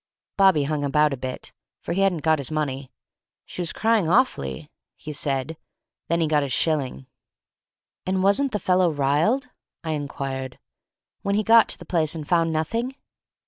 Bobby hung about a bit, for he hadn't got his money. 'She was crying awfully,' he said. Then he got his shilling." "And wasn't the fellow riled," I inquired, "when he got to the place and found nothing?"